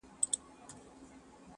دنیا ډېره بې وفاده عاقلان نه په نازېږي،